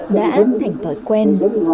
đã ăn thành thói quen